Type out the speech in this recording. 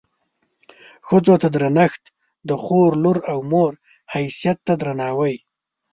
ښځو ته درنښت د خور، لور او مور حیثیت ته درناوی.